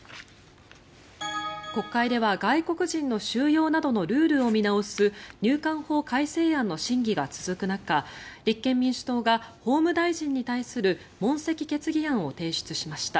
国会では外国人の収用などのルールを見直す入管法改正案の審議が続く中立憲民主党が法務大臣に対する問責決議案を提出しました。